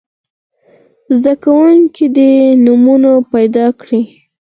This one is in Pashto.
زده کوونکي دې نومونه پیداکړي.